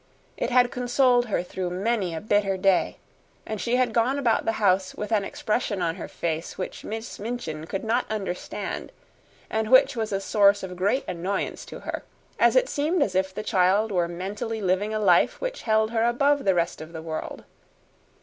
It had consoled her through many a bitter day, and she had gone about the house with an expression in her face which Miss Minchin could not understand and which was a source of great annoyance to her, as it seemed as if the child were mentally living a life which held her above the rest of the world.